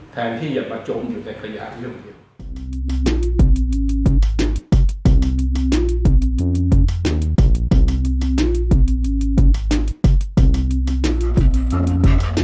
แทนที่จะมาจมอยู่ในขยะเรื่องเดียว